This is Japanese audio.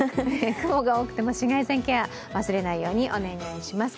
雲が多くても紫外線ケア、忘れないようにお願いします。